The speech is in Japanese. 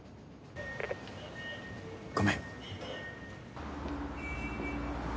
ごめん。